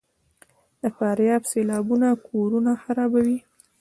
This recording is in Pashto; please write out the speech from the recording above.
د فاریاب سیلابونه کورونه خرابوي؟